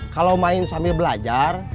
kalau main sambil belajar